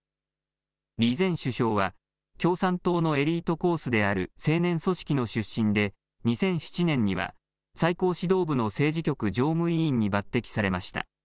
李前首相は共産党のエリートコースである青年組織の出身で２００７年には最高指導部の政治局常務委員に抜てきされました。